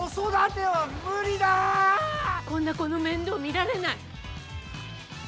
こんな子の面倒見られない。